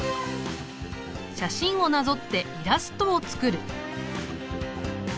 写真をなぞってイラストを作る。